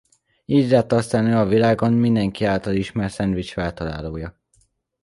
Így lett aztán ő a világon mindenki által ismert szendvics feltalálója.